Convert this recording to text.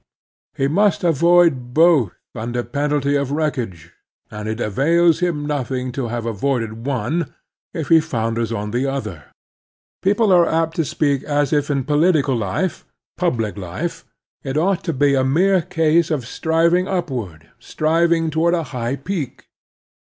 He must avoid both tmder penalty of wreckage, and it avails him nothing to have avoided one, if he founders on the other. People are apt to speak as if in political life, public life, it ought to be a mere case of striving upward — striving toward a high peak.